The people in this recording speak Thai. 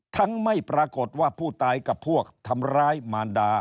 ไม่ปรากฏว่าผู้ตายกับพวกทำร้ายมารดา